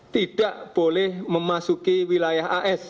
tidak boleh memasuki wilayah amerika serikat